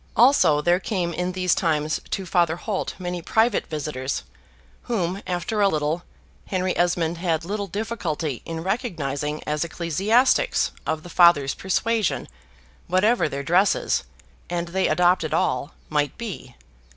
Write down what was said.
Also there came in these times to Father Holt many private visitors, whom, after a little, Henry Esmond had little difficulty in recognizing as ecclesiastics of the Father's persuasion, whatever their dresses (and they adopted all) might be.